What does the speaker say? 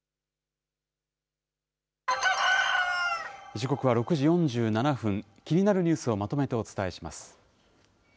時刻は６時４７分、気になるニュースをまとめてお伝えします。